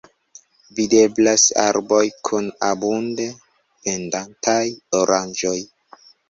Videblas arboj kun abunde pendantaj oranĝoj.